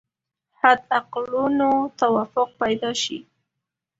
حد اقلونو توافق پیدا شي.